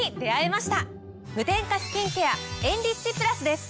無添加スキンケアエンリッチプラスです。